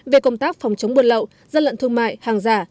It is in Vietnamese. về công tác phòng chống buôn lậu dân lận thương mại hàng giả